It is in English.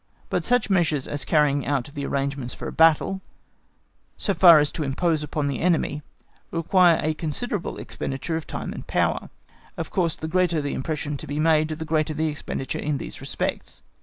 But such measures as carrying out the arrangements for a battle, so far as to impose upon the enemy, require a considerable expenditure of time and power; of course, the greater the impression to be made, the greater the expenditure in these respects.